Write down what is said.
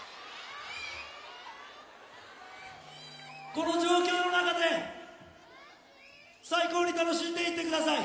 この状況の中で最高に楽しんでいって下さい。